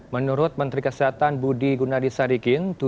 menurut menteri kesehatan budi gunadisadikin